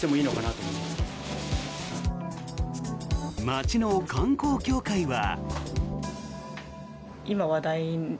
街の観光協会は。